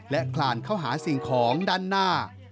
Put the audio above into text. และคลานเข้าหาสิ่งของด้านหน้า